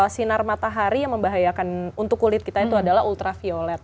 sinar matahari yang membahayakan untuk kulit kita itu adalah ultraviolet